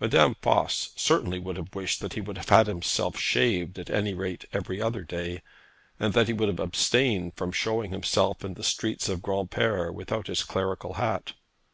Madame Voss certainly would have wished that he would have had himself shaved at any rate every other day, and that he would have abstained from showing himself in the streets of Granpere without his clerical hat.